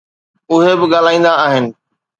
اهي به ڳالهائيندا آهن.